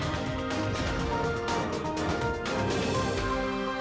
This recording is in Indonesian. jangan lupa like share dan subscribe terima kasih